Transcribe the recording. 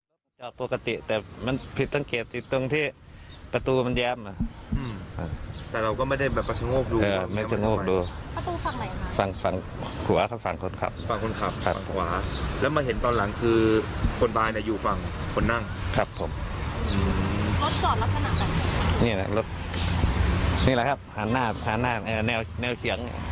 รถจอดลักษณะอะไรนี่แหละรถนี่แหละครับหาหน้าหาหน้าเอ่อแนวแนวเฉียง